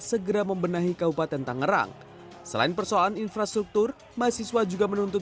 segera membenahi kabupaten tangerang selain persoalan infrastruktur mahasiswa juga menuntut